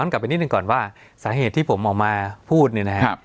สวัสดีครับทุกผู้ชม